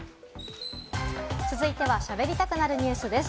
続いては、しゃべりたくなるニュスです。